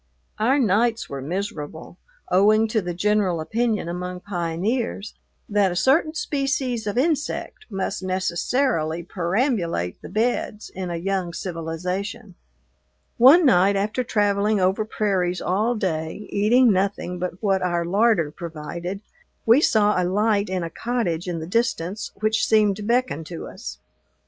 Our nights were miserable, owing to the general opinion among pioneers that a certain species of insect must necessarily perambulate the beds in a young civilization. One night, after traveling over prairies all day, eating nothing but what our larder provided, we saw a light in a cottage in the distance which seemed to beckon to us.